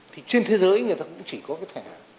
thì trên thế giới người ta cũng chỉ có cái thẻ